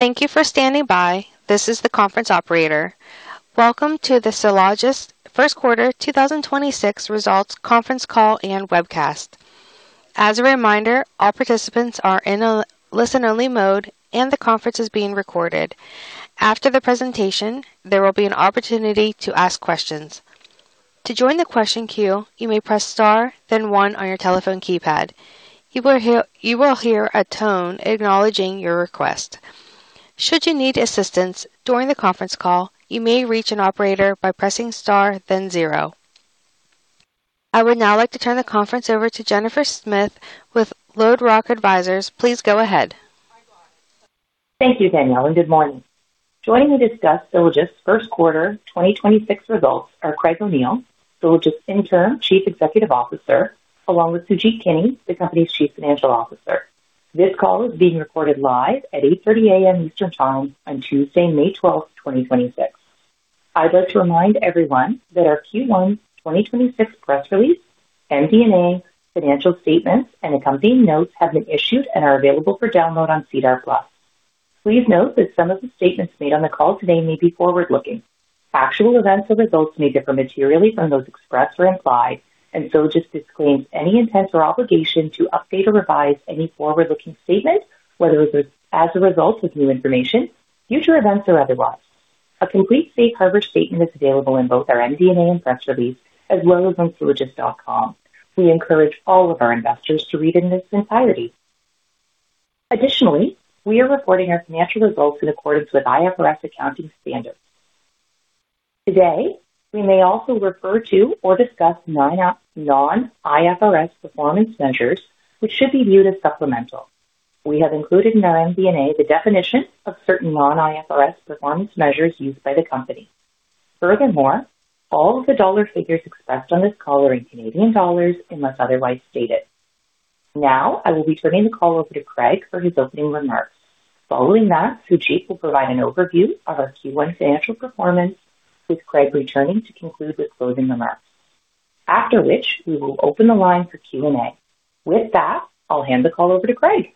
Thank you for standing by. This is the conference operator. Welcome to the Sylogist first quarter 2026 results conference call and webcast. As a reminder, all participants are in a listen-only mode, and the conference is being recorded. After the presentation, there will be an opportunity to ask questions. To join the question queue, you may press star then one on your telephone keypad. You will hear a tone acknowledging your request. Should you need assistance during the conference call, you may reach an operator by pressing star then zero. I would now like to turn the conference over to Jennifer Smith with LodeRock Advisors. Please go ahead. Thank you, Danielle, and good morning. Joining to discuss Sylogist first quarter 2026 results are Craig O'Neill, Sylogist Interim Chief Executive Officer, along with Sujeet Kini, the company's Chief Financial Officer. This call is being recorded live at 8:30 A.M. Eastern Time on Tuesday, May 12, 2026. I'd like to remind everyone that our Q1 2026 press release, MD&A, financial statements, and accompanying notes have been issued and are available for download on SEDAR+. Please note that some of the statements made on the call today may be forward-looking. Actual events or results may differ materially from those expressed or implied, and Sylogist disclaims any intent or obligation to update or revise any forward-looking statement, whether as a result of new information, future events, or otherwise. A complete safe harbor statement is available in both our MD&A and press release, as well as on sylogist.com. We encourage all of our investors to read it in its entirety. Additionally, we are reporting our financial results in accordance with IFRS accounting standards. Today, we may also refer to or discuss non-IFRS performance measures, which should be viewed as supplemental. We have included in our MD&A the definition of certain non-IFRS performance measures used by the company. Furthermore, all of the dollar figures expressed on this call are in Canadian dollars unless otherwise stated. Now, I will be turning the call over to Craig for his opening remarks. Following that, Sujeet will provide an overview of our Q1 financial performance, with Craig returning to conclude with closing remarks. After which, we will open the line for Q&A. With that, I'll hand the call over to Craig.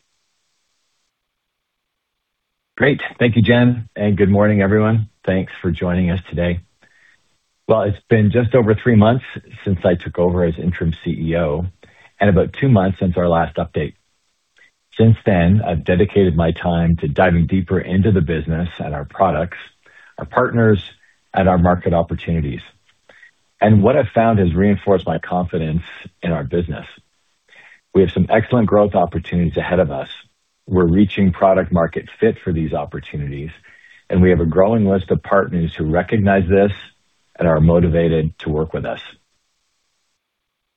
Great. Thank you, Jen, good morning, everyone. Thanks for joining us today. Well, it's been just over three months since I took over as Interim CEO and about two months since our last update. Since then, I've dedicated my time to diving deeper into the business and our products, our partners, and our market opportunities. What I've found has reinforced my confidence in our business. We have some excellent growth opportunities ahead of us. We're reaching product-market fit for these opportunities, and we have a growing list of partners who recognize this and are motivated to work with us.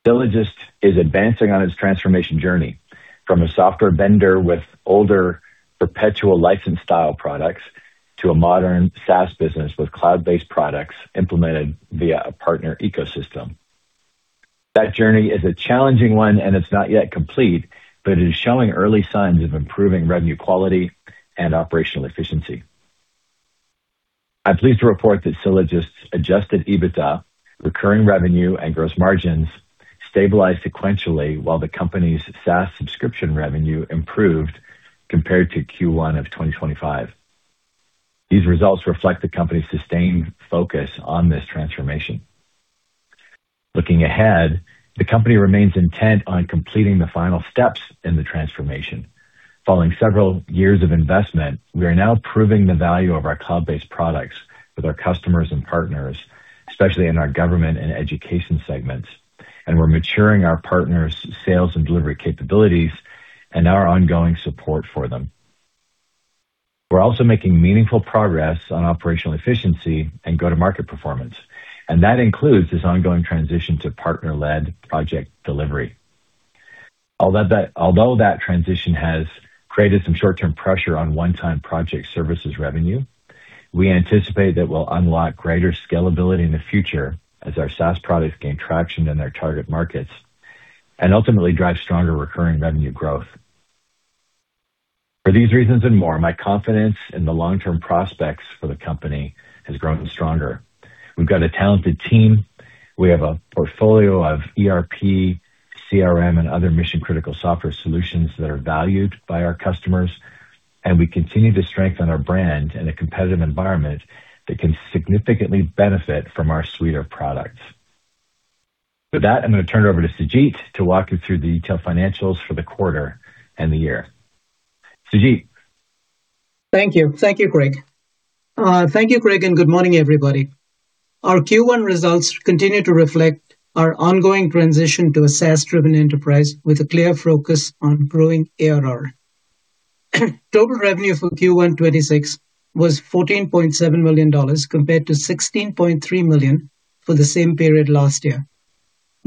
Sylogist is advancing on its transformation journey from a software vendor with older perpetual license style products to a modern SaaS business with cloud-based products implemented via a partner ecosystem. That journey is a challenging one, and it's not yet complete, but it is showing early signs of improving revenue quality and operational efficiency. I'm pleased to report that Sylogist's adjusted EBITDA, recurring revenue, and gross margins stabilized sequentially while the company's SaaS subscription revenue improved compared to Q1 of 2025. These results reflect the company's sustained focus on this transformation. Looking ahead, the company remains intent on completing the final steps in the transformation. Following several years of investment, we are now proving the value of our cloud-based products with our customers and partners, especially in our government and education segments, and we're maturing our partners' sales and delivery capabilities and our ongoing support for them. We're also making meaningful progress on operational efficiency and go-to-market performance, and that includes this ongoing transition to partner-led project delivery. Although that transition has created some short-term pressure on one-time project services revenue, we anticipate that we'll unlock greater scalability in the future as our SaaS products gain traction in their target markets and ultimately drive stronger recurring revenue growth. For these reasons and more, my confidence in the long-term prospects for the company has grown stronger. We've got a talented team. We have a portfolio of ERP, CRM, and other mission-critical software solutions that are valued by our customers, and we continue to strengthen our brand in a competitive environment that can significantly benefit from our suite of products. With that, I'm going to turn it over to Sujeet to walk you through the detailed financials for the quarter and the year. Sujeet? Thank you. Thank you, Craig. Thank you, Craig, and good morning, everybody. Our Q1 results continue to reflect our ongoing transition to a SaaS-driven enterprise with a clear focus on growing ARR. Total revenue for Q1 2026 was 14.7 million dollars compared to 16.3 million for the same period last year.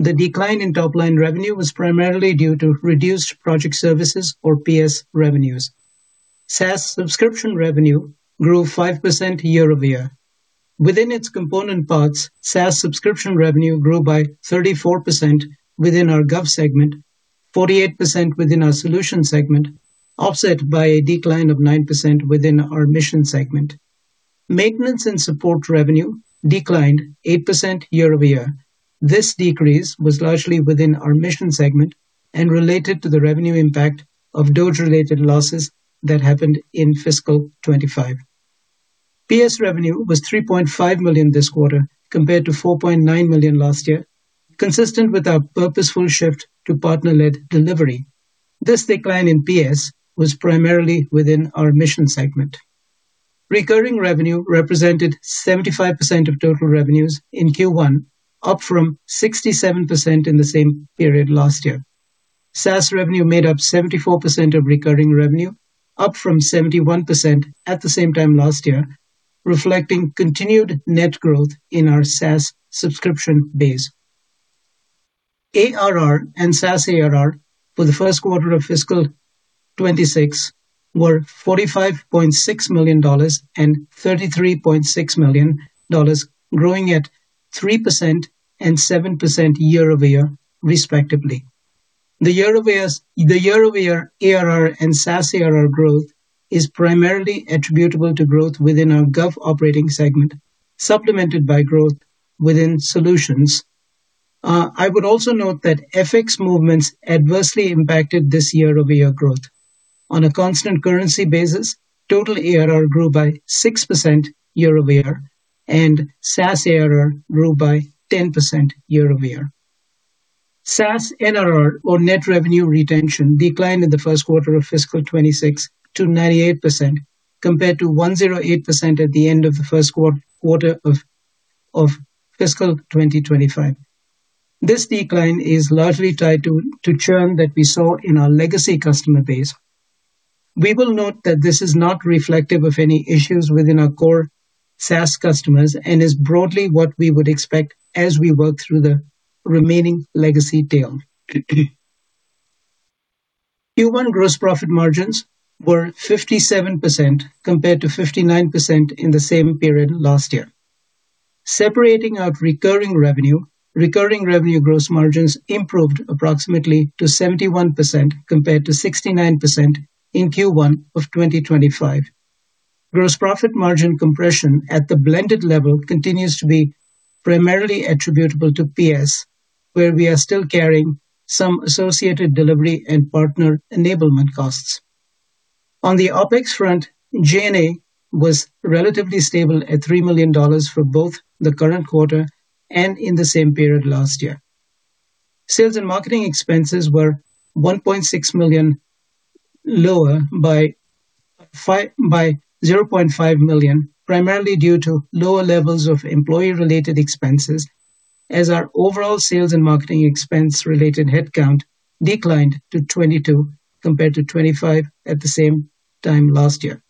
The decline in top-line revenue was primarily due to reduced project services or PS revenues. SaaS subscription revenue grew 5% year-over-year. Within its component parts, SaaS subscription revenue grew by 34% within our Gov segment, 48% within our solution segment, offset by a decline of 9% within our Mission segment. Maintenance and support revenue declined 8% year-over-year. This decrease was largely within our Mission segment and related to the revenue impact of DOGE-related losses that happened in fiscal 2025. PS revenue was 3.5 million this quarter compared to 4.9 million last year, consistent with our purposeful shift to partner-led delivery. This decline in PS was primarily within our Mission segment. Recurring revenue represented 75% of total revenues in Q1, up from 67% in the same period last year. SaaS revenue made up 74% of recurring revenue, up from 71% at the same time last year, reflecting continued net growth in our SaaS subscription base. ARR and SaaS ARR for the first quarter of fiscal 2026 were 45.6 million dollars and 33.6 million dollars, growing at 3% and 7% year-over-year respectively. The year-over-year ARR and SaaS ARR growth is primarily attributable to growth within our Gov operating segment, supplemented by growth within solutions. I would also note that FX movements adversely impacted this year-over-year growth. On a constant currency basis, total ARR grew by 6% year-over-year, and SaaS ARR grew by 10% year-over-year. SaaS NRR or net revenue retention declined in the first quarter of fiscal 2026 to 98%, compared to 108% at the end of the first quarter of fiscal 2025. This decline is largely tied to churn that we saw in our legacy customer base. We will note that this is not reflective of any issues within our core SaaS customers and is broadly what we would expect as we work through the remaining legacy tail. Q1 gross profit margins were 57% compared to 59% in the same period last year. Separating out recurring revenue, recurring revenue gross margins improved approximately to 71% compared to 69% in Q1 of 2025. Gross profit margin compression at the blended level continues to be primarily attributable to PS, where we are still carrying some associated delivery and partner enablement costs. On the OpEx front, G&A was relatively stable at 3 million dollars for both the current quarter and in the same period last year. Sales and marketing expenses were 1.6 million lower by 0.5 million, primarily due to lower levels of employee-related expenses as our overall sales and marketing expense-related headcount declined to 22 compared to 25 at the same time last year.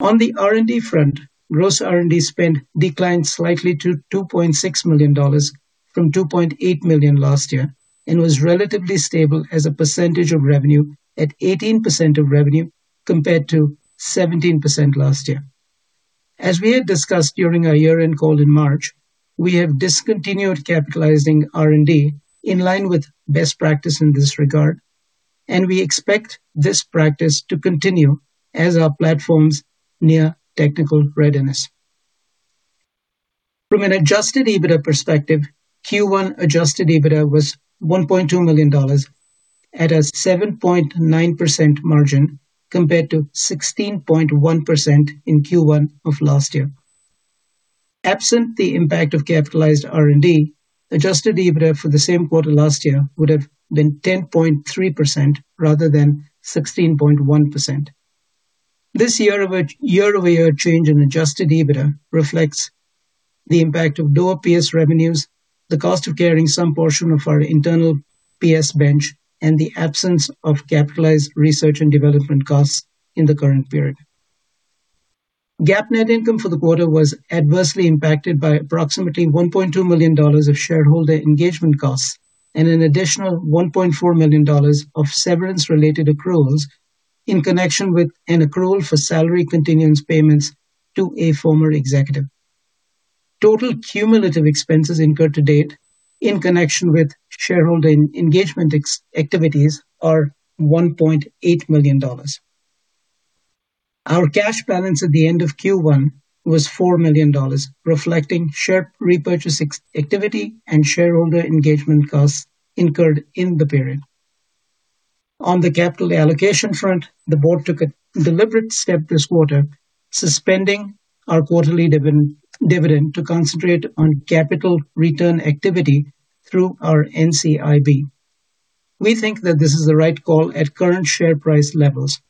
On the R&D front, gross R&D spend declined slightly to 2.6 million dollars from 2.8 million last year and was relatively stable as a percentage of revenue at 18% of revenue compared to 17% last year. As we had discussed during our year-end call in March, we have discontinued capitalizing R&D in line with best practice in this regard, and we expect this practice to continue as our platforms near technical readiness. From an adjusted EBITDA perspective, Q1 adjusted EBITDA was 1.2 million dollars at a 7.9% margin compared to 16.1% in Q1 of last year. Absent the impact of capitalized R&D, adjusted EBITDA for the same quarter last year would have been 10.3% rather than 16.1%. This year-over-year change in adjusted EBITDA reflects the impact of lower PS revenues, the cost of carrying some portion of our internal PS bench, and the absence of capitalized research and development costs in the current period. GAAP net income for the quarter was adversely impacted by approximately 1.2 million dollars of shareholder engagement costs and an additional 1.4 million dollars of severance-related accruals in connection with an accrual for salary continuance payments to a former executive. Total cumulative expenses incurred to date in connection with shareholder engagement activities are 1.8 million dollars. Our cash balance at the end of Q1 was 4 million dollars, reflecting share repurchase activity and shareholder engagement costs incurred in the period. On the capital allocation front, the Board took a deliberate step this quarter, suspending our quarterly dividend to concentrate on capital return activity through our NCIB. We think that this is the right call at current share price levels.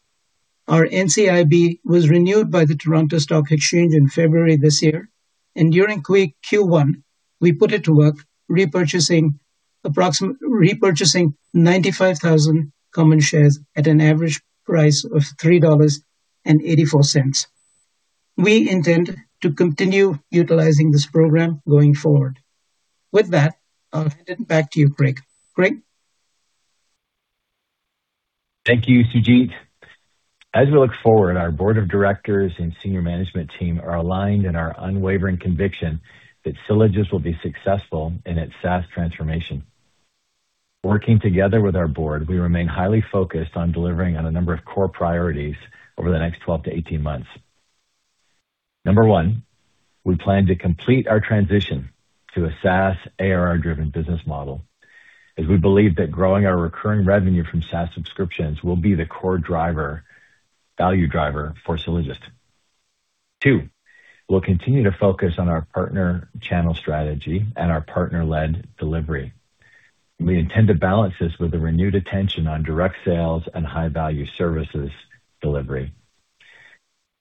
Our NCIB was renewed by the Toronto Stock Exchange in February this year. During Q1, we put it to work, repurchasing 95,000 common shares at an average price of 3.84 dollars. We intend to continue utilizing this program going forward. With that, I'll hand it back to you, Craig. Craig? Thank you, Sujeet. As we look forward, our board of directors and senior management team are aligned in our unwavering conviction that Sylogist will be successful in its SaaS transformation. Working together with our board, we remain highly focused on delivering on a number of core priorities over the next 12 to 18 months. Number one, we plan to complete our transition to a SaaS ARR-driven business model, as we believe that growing our recurring revenue from SaaS subscriptions will be the core driver, value driver for Sylogist. Two, we'll continue to focus on our partner channel strategy and our partner-led delivery. We intend to balance this with a renewed attention on direct sales and high-value services delivery.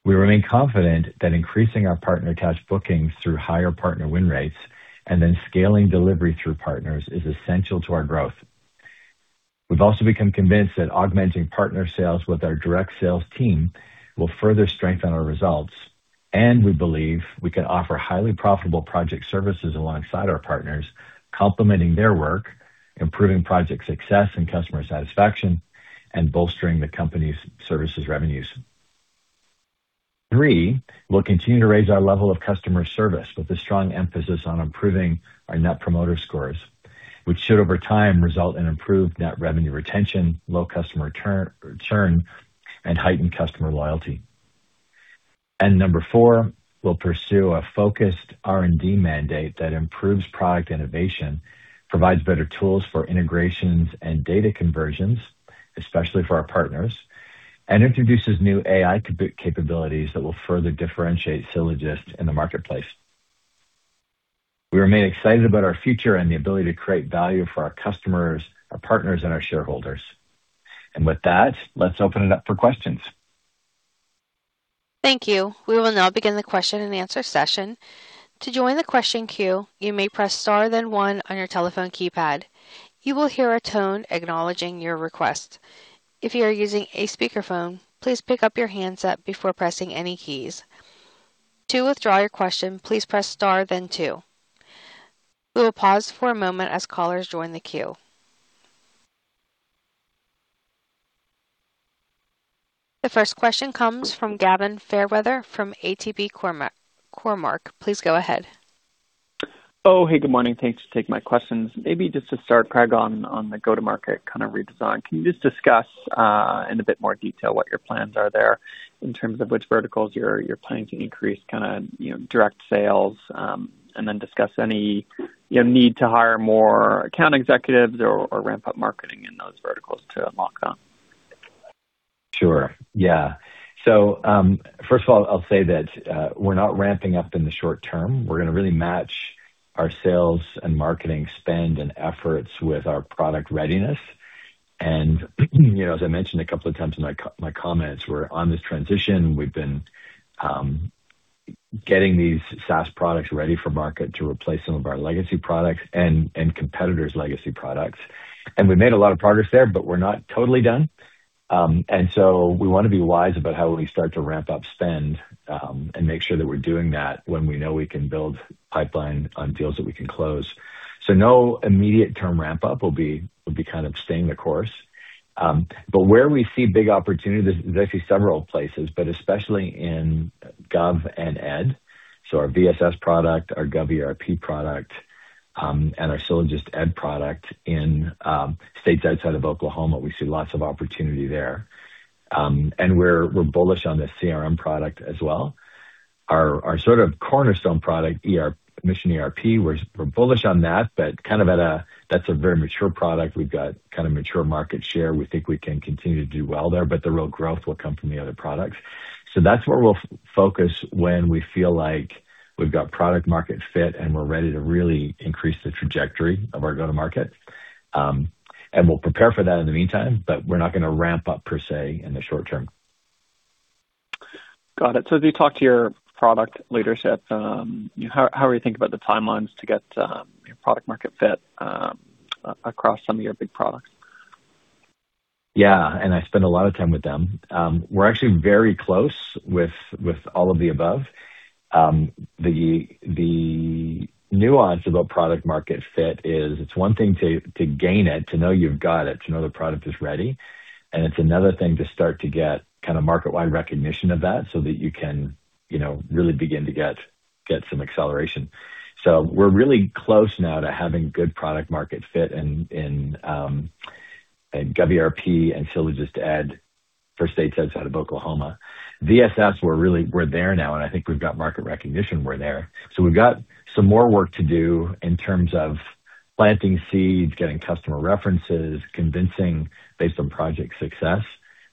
We remain confident that increasing our partner attached bookings through higher partner win rates and then scaling delivery through partners is essential to our growth. We've also become convinced that augmenting partner sales with our direct sales team will further strengthen our results, and we believe we can offer highly profitable project services alongside our partners, complementing their work, improving project success and customer satisfaction, and bolstering the company's services revenues. Three, we'll continue to raise our level of customer service with a strong emphasis on improving our Net Promoter Scores, which should over time result in improved Net Revenue Retention, low customer churn, and heightened customer loyalty. Number four, we'll pursue a focused R&D mandate that improves product innovation, provides better tools for integrations and data conversions, especially for our partners, and introduces new AI capabilities that will further differentiate Sylogist in the marketplace. We remain excited about our future and the ability to create value for our customers, our partners, and our shareholders. With that, let's open it up for questions. Thank you. We will now begin the question and answer session. To join the question queue, you may press star then one on your telephone keypad. You will hear a tone acknowledging your request. If you are using a speakerphone, please pick up your handset before pressing any keys. To withdraw your question, please press star then two. We will pause for a moment as callers join the queue. The first question comes from Gavin Fairweather from ATB Cormark. Please go ahead. Oh, hey, good morning. Thanks for taking my questions. Maybe just to start, Craig, on the go-to-market kind of redesign, can you just discuss in a bit more detail what your plans are there in terms of which verticals you're planning to increase kinda, you know, direct sales, and then discuss any, need to hire more account executives or ramp up marketing in those verticals to unlock them? Sure. Yeah. First of all, I'll say that we're not ramping up in the short term. We're gonna really match our sales and marketing spend and efforts with our product readiness. You know, as I mentioned a couple of times in my comments, we're on this transition. We've been getting these SaaS products ready for market to replace some of our legacy products and competitors' legacy products. We've made a lot of progress there, but we're not totally done. We wanna be wise about how we start to ramp up spend and make sure that we're doing that when we know we can build pipeline on deals that we can close. No immediate term ramp up. We'll be kind of staying the course. Where we see big opportunities is actually several places, but especially in Gov and Ed. Our VSS product, our GovERP product, and our SylogistEd product in states outside of Oklahoma, we see lots of opportunity there. We're bullish on the CRM product as well. Our sort of cornerstone product, MissionERP, we're bullish on that, but kind of at a That's a very mature product. We've got kinda mature market share. We think we can continue to do well there, but the real growth will come from the other products. That's where we'll focus when we feel like we've got product market fit, and we're ready to really increase the trajectory of our go-to-market. We'll prepare for that in the meantime, but we're not gonna ramp up per se in the short term. Got it. As you talk to your product leadership, how are you thinking about the timelines to get your product market fit across some of your big products? I spend a lot of time with them. We're actually very close with all of the above. The nuance about product market fit is it's one thing to gain it, to know you've got it, to know the product is ready, and it's another thing to start to get kind of market-wide recognition of that so that you can, you know, really begin to get some acceleration. We're really close now to having good product market fit in GovERP and SylogistEd for states outside of Oklahoma. VSS, we're there now, and I think we've got market recognition we're there. We've got some more work to do in terms of planting seeds, getting customer references, convincing based on project success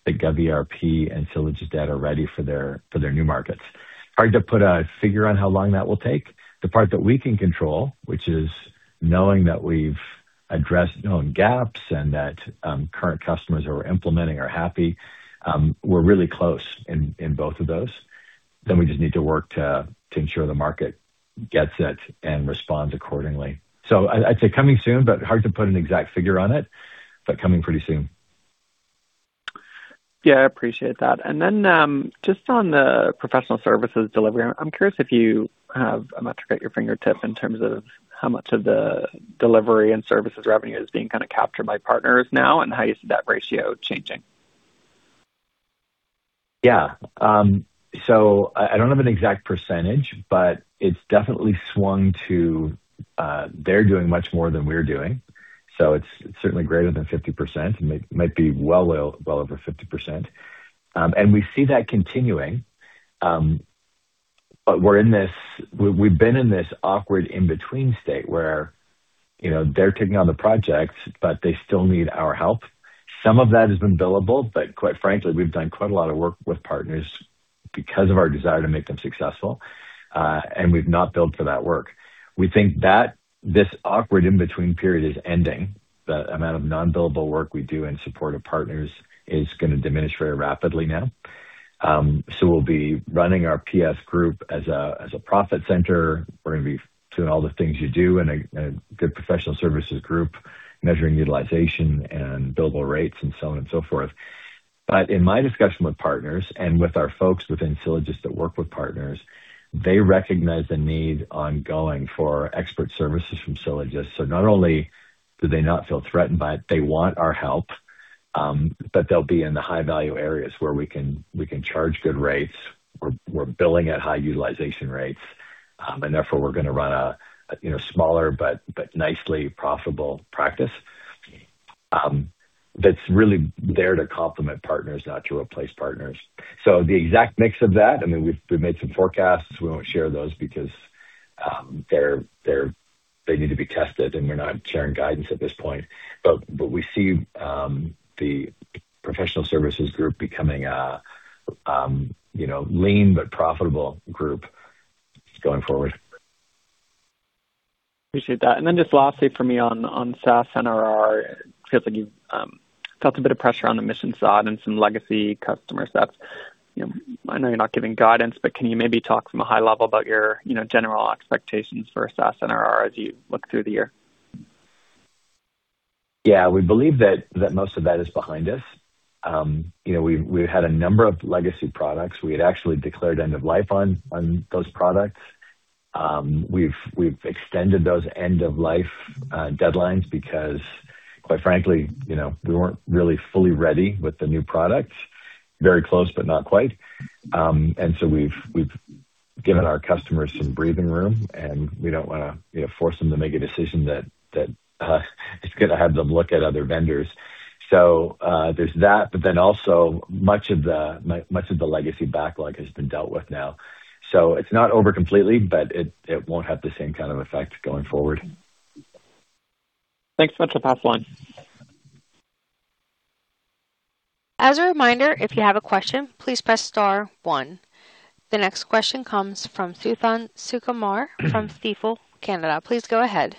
that GovERP and SylogistEd are ready for their new markets. Hard to put a figure on how long that will take. The part that we can control, which is knowing that we've addressed known gaps and that current customers who are implementing are happy, we're really close in both of those. We just need to work to ensure the market gets it and responds accordingly. I'd say coming soon, but hard to put an exact figure on it, but coming pretty soon. Yeah, I appreciate that. Just on the professional services delivery, I'm curious if you have a metric at your fingertips in terms of how much of the delivery and services revenue is being kinda captured by partners now and how you see that ratio changing. I don't have an exact percentage, but it's definitely swung to, they're doing much more than we're doing, so it's certainly greater than 50%. It might be well over 50%. We see that continuing. We've been in this awkward in-between state where, you know, they're taking on the projects, but they still need our help. Some of that has been billable, but quite frankly, we've done quite a lot of work with partners because of our desire to make them successful, and we've not billed for that work. We think that this awkward in-between period is ending. The amount of non-billable work we do in support of partners is gonna diminish very rapidly now. We'll be running our PS group as a profit center. We're gonna be doing all the things you do in a good professional services group, measuring utilization and billable rates and so on and so forth. In my discussion with partners and with our folks within Sylogist that work with partners, they recognize the need ongoing for expert services from Sylogist. Not only do they not feel threatened by it, they want our help, but they'll be in the high-value areas where we can charge good rates. We're billing at high utilization rates, and therefore we're gonna run a, you know, smaller but nicely profitable practice, that's really there to complement partners, not to replace partners. The exact mix of that, I mean, we've made some forecasts. We won't share those because, they need to be tested, and we're not sharing guidance at this point. We see the professional services group becoming a, you know, lean but profitable group going forward. Appreciate that. Then just lastly from me on SaaS NRR, it feels like you've felt a bit of pressure on the Mission side and some legacy customer stuff. You know, I know you're not giving guidance, but can you maybe talk from a high level about your, you know, general expectations for SaaS NRR as you look through the year? We believe that most of that is behind us. You know, we've had a number of legacy products we had actually declared end of life on those products. We've extended those end of life deadlines because quite frankly, you know, we weren't really fully ready with the new products. Very close, but not quite. We've given our customers some breathing room, and we don't wanna, you know, force them to make a decision that is gonna have them look at other vendors. There's that, also much of the legacy backlog has been dealt with now. It's not over completely, but it won't have the same kind of effect going forward. Thanks so much. I'll pass the line. As a reminder, if you have a question, please press star one. The next question comes from Suthan Sukumar from Stifel Canada. Please go ahead.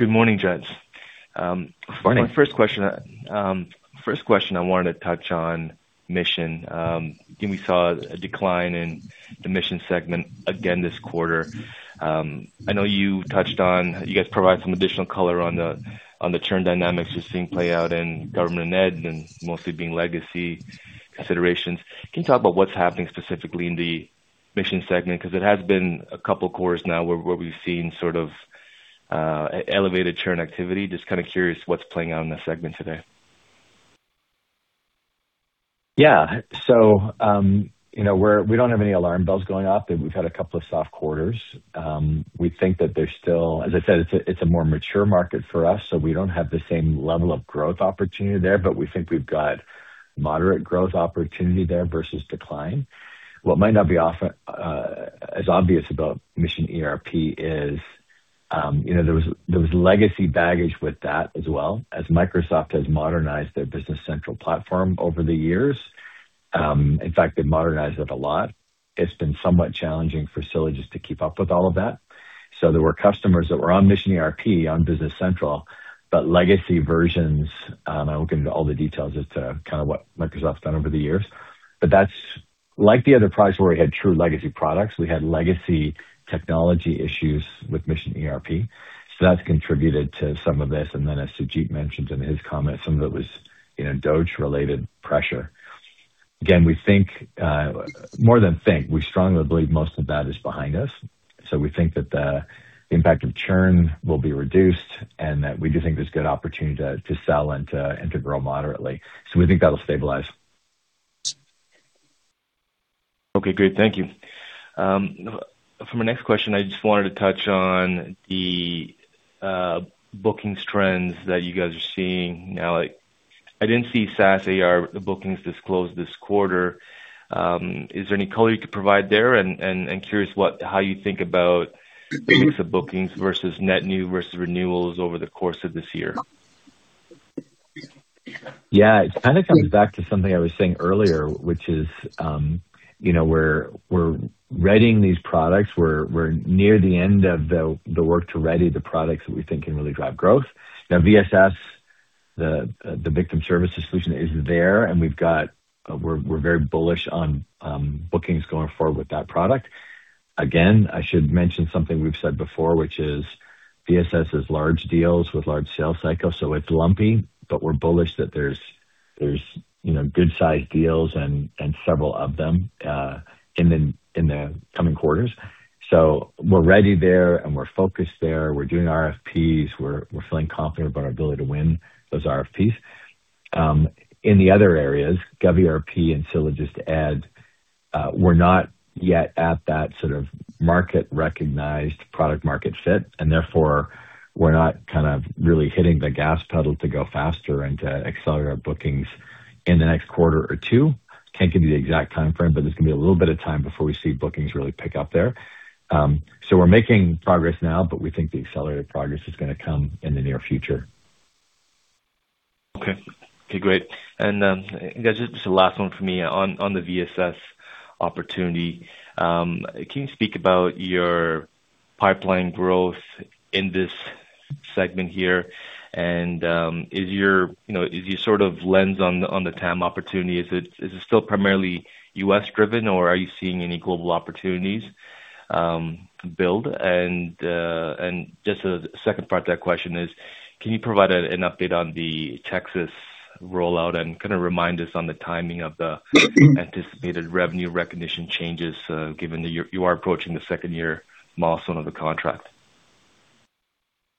Good morning, gents. Morning. My first question, first question I wanted to touch on Mission. Again, we saw a decline in the Mission segment again this quarter. I know you touched on You guys provided some additional color on the churn dynamics you're seeing play out in government and ed and mostly being legacy considerations. Can you talk about what's happening specifically in the Mission segment? Cause it has been a couple quarters now where we've seen sort of elevated churn activity. Just kind of curious what's playing out in the segment today. Yeah. You know, we don't have any alarm bells going off, and we've had a couple of soft quarters. We think that there's still as I said, it's a more mature market for us, we don't have the same level of growth opportunity there, we think we've got moderate growth opportunity there versus decline. What might not be often as obvious about MissionERP is, you know, there was legacy baggage with that as well. As Microsoft has modernized their Business Central platform over the years, in fact, they've modernized it a lot, it's been somewhat challenging for Sylogist to keep up with all of that. There were customers that were on MissionERP, on Business Central, but legacy versions, I won't get into all the details as to kind of what Microsoft's done over the years, but that's Like the other products where we had true legacy products, we had legacy technology issues with MissionERP. Then as Sujeet mentioned in his comments, some of it was, you know, DOGE-related pressure. Again, we think, more than think, we strongly believe most of that is behind us. We think that the impact of churn will be reduced, and we do think there's good opportunity to sell and to grow moderately. We think that'll stabilize. Okay, great. Thank you. For my next question, I just wanted to touch on the bookings trends that you guys are seeing now. Like, I didn't see SaaS ARR bookings disclosed this quarter. Is there any color you could provide there? Curious how you think about the mix of bookings versus net new versus renewals over the course of this year. Yeah. It kind of comes back to something I was saying earlier, which is, you know, we're readying these products. We're near the end of the work to ready the products that we think can really drive growth. Now VSS, the Victim Services Solution is there, and we're very bullish on bookings going forward with that product. Again, I should mention something we've said before, which is VSS is large deals with large sales cycles, so it's lumpy, but we're bullish that there's, you know, good-sized deals and several of them in the coming quarters. We're ready there, and we're focused there. We're doing RFPs. We're feeling confident about our ability to win those RFPs. In the other areas, GovERP and SylogistEd, we're not yet at that sort of market recognized product market fit, and therefore, we're not kind of really hitting the gas pedal to go faster and to accelerate our bookings in the next quarter or two. Can't give you the exact timeframe, but there's gonna be a little bit of time before we see bookings really pick up there. So we're making progress now, but we think the accelerated progress is gonna come in the near future. Okay. Okay, great. I guess just the last one for me on the VSS opportunity, can you speak about your pipeline growth in this segment here? Is your, you know, is your sort of lens on the TAM opportunity, is it still primarily U.S.-driven or are you seeing any global opportunities build? Just a second part to that question is, can you provide an update on the Texas rollout and kind of remind us on the timing of the anticipated revenue recognition changes, given that you are approaching the second year milestone of the contract.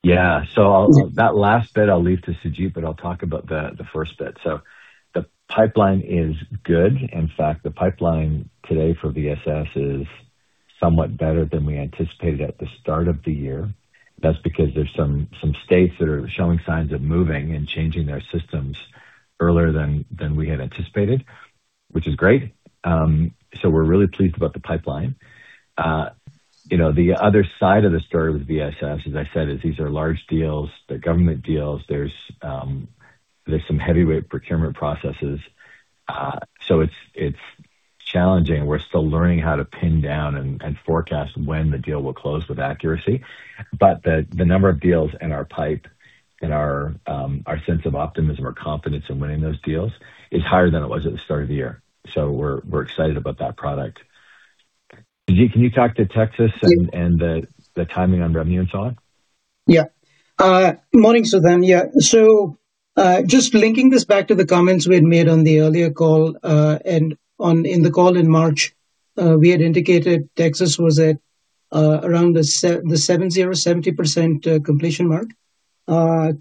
Yeah. That last bit I'll leave to Sujeet, but I'll talk about the first bit. The pipeline is good. In fact, the pipeline today for VSS is somewhat better than we anticipated at the start of the year. That's because there's some states that are showing signs of moving and changing their systems earlier than we had anticipated, which is great. We're really pleased about the pipeline. You know, the other side of the story with VSS, as I said, is these are large deals, they're government deals. There's some heavyweight procurement processes. It's challenging. We're still learning how to pin down and forecast when the deal will close with accuracy. The number of deals in our pipe and our sense of optimism or confidence in winning those deals is higher than it was at the start of the year. We're excited about that product. Sujeet, can you talk to Texas and the timing on revenue and so on? Morning, Suthan. Just linking this back to the comments we had made on the earlier call, in the call in March, we had indicated Texas was at around the 70% completion mark.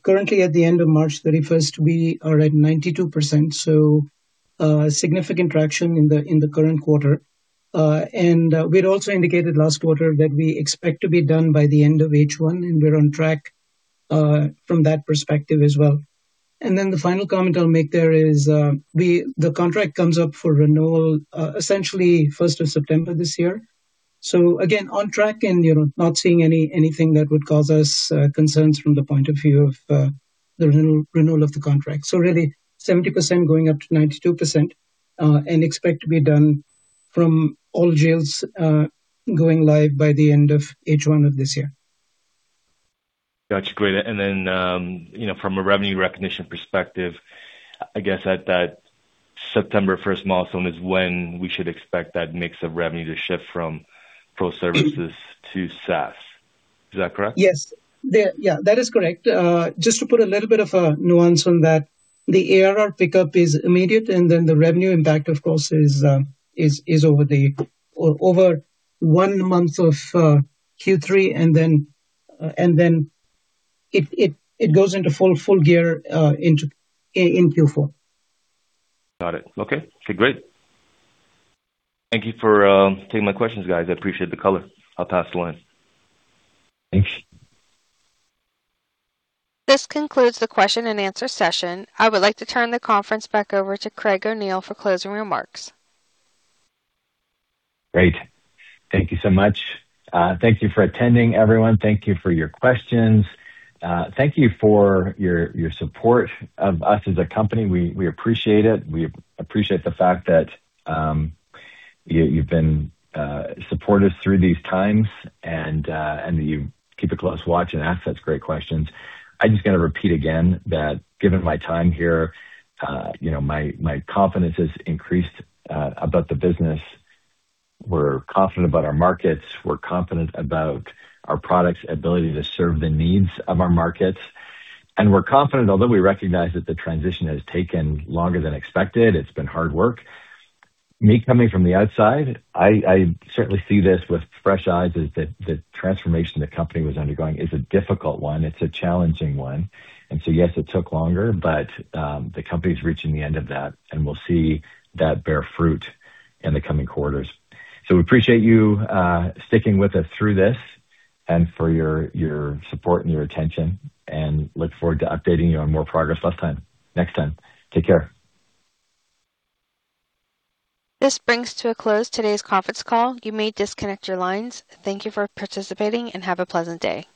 Currently at the end of March 31st, we are at 92%, so significant traction in the current quarter. We had also indicated last quarter that we expect to be done by the end of H1, and we're on track from that perspective as well. The final comment I'll make there is the contract comes up for renewal, essentially September 1st this year. Again, on track and, you know, not seeing any, anything that would cause us concerns from the point of view of the renewal of the contract. Really 70% going up to 92%, and expect to be done from all jails going live by the end of H1 of this year. Got you. Great. Then, you know, from a revenue recognition perspective, I guess at that September 1st milestone is when we should expect that mix of revenue to shift from pro services to SaaS. Is that correct? Yes. Yeah, that is correct. Just to put a little bit of a nuance on that, the ARR pickup is immediate, and then the revenue impact, of course, is over the one month of Q3, and then it goes into full gear in Q4. Got it. Okay. Great. Thank you for taking my questions, guys. I appreciate the color. I'll pass the line. Thanks. This concludes the question and answer session. I would like to turn the conference back over to Craig O'Neill for closing remarks. Great. Thank you so much. Thank you for attending, everyone. Thank you for your questions. Thank you for your support of us as a company. We appreciate it. We appreciate the fact that you've been supportive through these times and you keep a close watch and ask such great questions. I just going to repeat again that given my time here, you know, my confidence has increased about the business. We're confident about our markets. We're confident about our product's ability to serve the needs of our markets. We're confident, although we recognize that the transition has taken longer than expected, it's been hard work. Me coming from the outside, I certainly see this with fresh eyes as the transformation the company was undergoing is a difficult one. It's a challenging one. Yes, it took longer, but the company is reaching the end of that, and we'll see that bear fruit in the coming quarters. We appreciate you sticking with us through this and for your support and your attention, and look forward to updating you on more progress next time. Take care. This brings to a close today's conference call. You may disconnect your lines. Thank you for participating, and have a pleasant day.